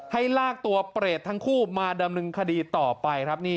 ให้ลากตัวเปรตทั้งคู่มาดำเนินคดีต่อไปครับ